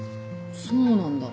そうなんだ